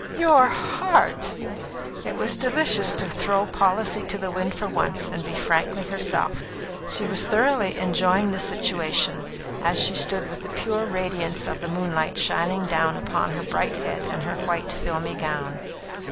"Your heart!" It was delicious to throw policy to the wind for once and be frankly herself. She was thoroughly enjoying the situation, as she stood with the pure radiance of the moonlight shining down upon her bright head and her white, filmy gown.